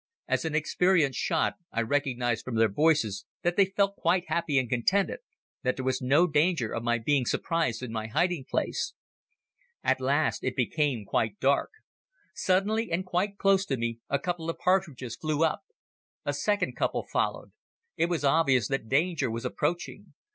As an experienced shot I recognized from their voices that they felt quite happy and contented, that there was no danger of my being surprised in my hiding place. "At last it became quite dark. Suddenly and quite close to me a couple of partridges flew up. A second couple followed. It was obvious that danger was approaching.